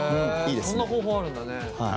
そんな方法あるんだね。